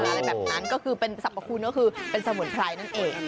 อะไรแบบนั้นก็คือเป็นสรรพคุณก็คือเป็นสมุนไพรนั่นเอง